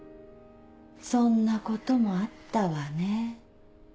そんなこともあったわね。